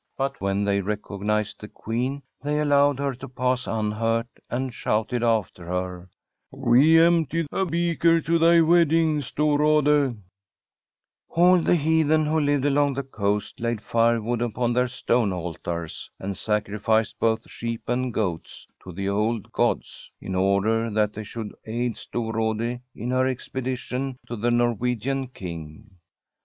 But when they recognised the Queen, they allowed her to pass unhurt, and shouted after her: * We empty a beaker to thy wedding, Stor rade/ All the heathen who lived along the coast laid firewood upon their stone altars, and sacrificed both sheep and goats to the old gods, in order that they should aid Storrade in her expedition to the Norwegian King.